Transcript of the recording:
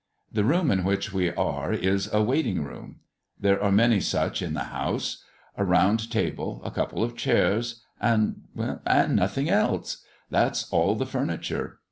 The room in which we are is a waiting room. There are many such in the house. A round table, a couple of chairs, and and nothing else! that's all the furniture.